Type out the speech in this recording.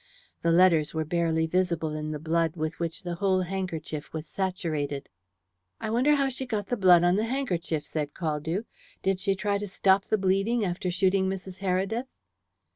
The letters were barely visible in the blood with which the whole handkerchief was saturated. "I wonder how she got the blood on the handkerchief?" said Caldew. "Did she try to stop the bleeding after shooting Mrs. Heredith?"